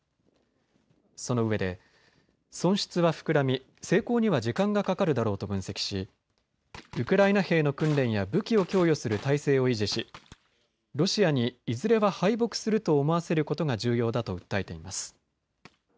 そのうえで、損失は膨らみ成功には時間がかかるだろうと分析しウクライナ兵の訓練や武器を供与する態勢を維持しロシアにいずれは敗北すると思わせることが重要だと訴えています。